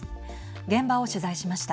現場を取材しました。